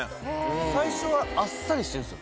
最初はあっさりしてるんですよ。